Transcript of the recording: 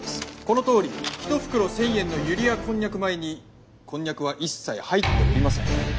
このとおり一袋１，０００円のユリヤこんにゃく米にこんにゃくは一切入っておりません。